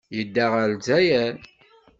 Yedda ɣer Lezzayer.